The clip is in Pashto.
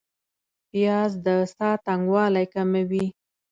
پیاز د ساه تنګوالی کموي